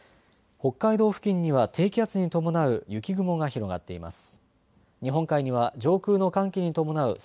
北海道付近には低気圧に伴う雪雲が広がっています。